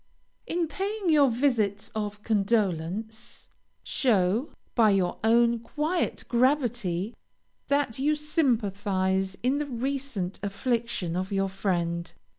In paying your visits of condolence, show, by your own quiet gravity, that you sympathize in the recent affliction of your friend.